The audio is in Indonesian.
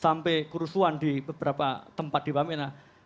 sampai kerusuhan di beberapa tempat di wamena